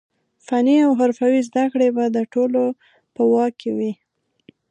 فني او حرفوي زده کړې به د ټولو په واک کې وي.